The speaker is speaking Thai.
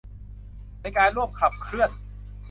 ในการร่วมขับเคลื่อน